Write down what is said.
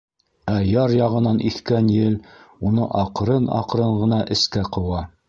Ә яр яғынан иҫкән ел уны аҡрын-аҡрын ғына эскә ҡыуа.